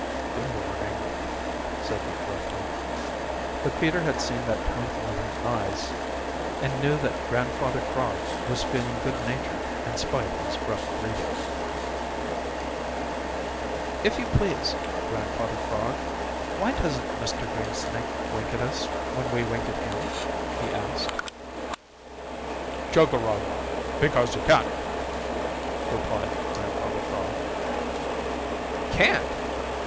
"Good morning," said he gruffly. But Peter had seen that twinkle in his eyes and knew that Grandfather Frog was feeling good natured in spite of his gruff greeting. "If you please, Grandfather Frog, why doesn't Mr. Greensnake wink at us when we wink at him?" he asked. "Chug a rum! Because he can't," replied Grandfather Frog. "Can't!"